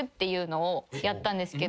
やったんですけど。